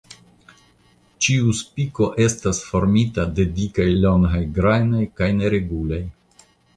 Ĉiu spiko estas formita de dikaj longaj grajnoj kaj neregulaj.